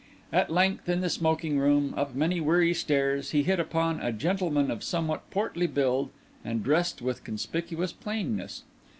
At length in the smoking room, up many weary stairs, he hit upon a gentleman of somewhat portly build and dressed with conspicuous plainness.